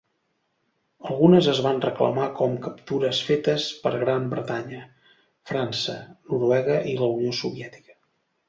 Algunes es van reclamar com captures fetes per Gran Bretanya, França, Noruega i la Unió Soviètica.